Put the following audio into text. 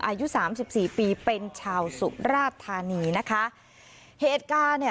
อายุ๓๔ปีเป็นชาวสุขราชธานีนะคะเหตุการณ์เนี่ย